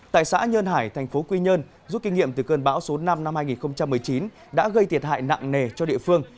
tại xã nhơn hải thành phố quy nhơn rút kinh nghiệm từ cơn bão số năm năm hai nghìn một mươi chín đã gây thiệt hại nặng nề cho địa phương